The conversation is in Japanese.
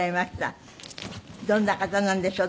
どんな方なんでしょう？